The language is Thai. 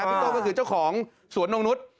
โต้ก็คือเจ้าของสวนนงนุษย์